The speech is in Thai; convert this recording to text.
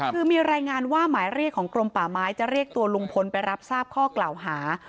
คือมีรายงานว่าหมายเรียกของกรมป่าไม้จะเรียกตัวลุงพลไปรับทราบข้อกล่าวหา